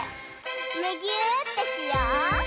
むぎゅーってしよう！